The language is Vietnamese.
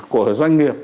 của doanh nghiệp